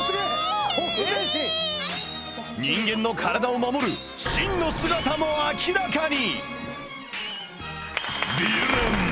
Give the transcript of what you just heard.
人間の体を守る真の姿も明らかに。